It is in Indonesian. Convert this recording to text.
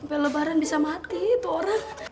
sampai lebaran bisa mati itu orang